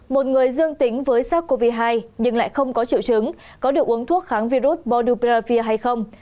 một người dương tính với sars cov hai nhưng lại không có triệu chứng có được uống thuốc kháng virus bodupravir hay không